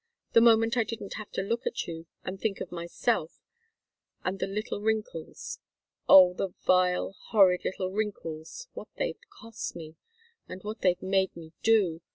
The moment I didn't have to look at you and think of myself, and the little wrinkles. Oh, the vile, horrid little wrinkles what they've cost me! And what they've made me do!